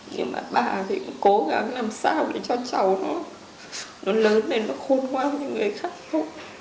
nhưng mà bà thì cũng cố gắng làm sao để cho cháu nó lớn nên nó khôn hoang như người khác thôi